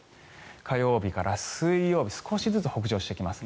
火曜日から水曜日少しずつ北上してきます。